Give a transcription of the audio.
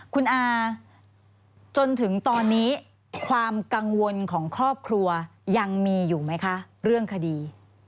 คุณอาจนถึงตอนนี้ความกังวลของครอบครัวยังมีอยู่ไหมคะเรื่องคดี